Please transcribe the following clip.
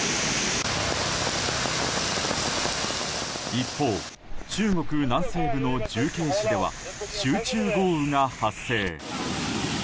一方、中国南西部の重慶市では集中豪雨が発生。